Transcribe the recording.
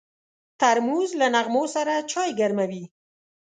ترموز له نغمو سره چای ګرموي.